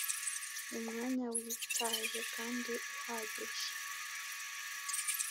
n’umwanya witaje kandi uhagije